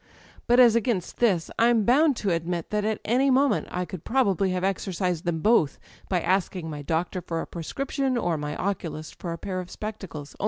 But, as against this, I'm bound to admit that at any moment I could probably have exorcised them both by asking my doctor for a prescription, or my oculist for a pair of spectacles.